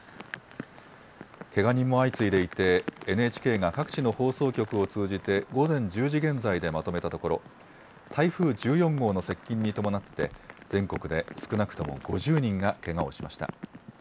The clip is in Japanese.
けが人も相次いでいて、ＮＨＫが各地の放送局を通じて午前１０時現在でまとめたところ、台風１４号の接近に伴って、全国で少なくとも５０人がけがをしました。